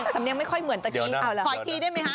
สำเนียงไม่ค่อยเหมือนตะกี้ขออีกทีได้ไหมคะ